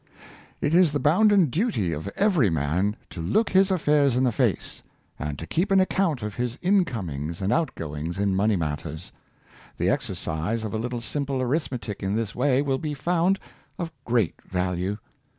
It is the bounden duty of every man to look his affairs in the face, and to keep an account of his in comings and outgoings in money matters. The exercise of a little simple arithmetic in this way will be found of great value.